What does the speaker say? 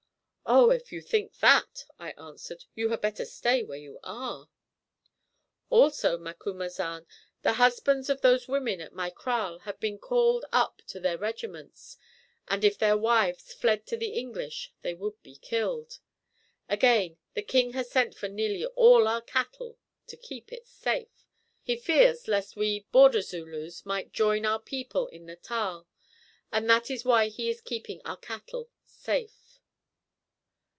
"Oh, if you think that," I answered, "you had better stay where you are." "Also, Macumazahn, the husbands of those women at my kraal have been called up to their regiments, and if their wives fled to the English they would be killed. Again, the king has sent for nearly all our cattle, 'to keep it safe.' He fears lest we Border Zulus might join our people in Natal, and that is why he is keeping our cattle 'safe.'"